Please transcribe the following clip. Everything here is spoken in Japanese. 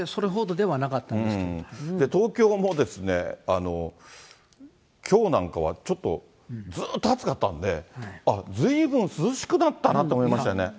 ちょっとだけ、東京もきょうなんかはちょっと、ずっと暑かったんで、あっ、ずいぶん涼しくなったなと思いましたね。